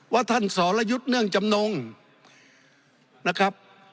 ว่าท่านสรวุฒิเนื่องจำนงนะครับ